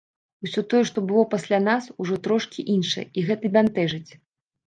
Усё тое, што было пасля нас, ужо трошкі іншае, і гэта бянтэжыць.